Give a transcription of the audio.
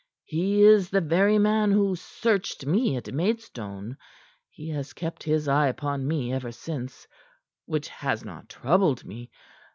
He is the very man who searched me at Maidstone; he has kept his eye upon me ever since, which has not troubled me.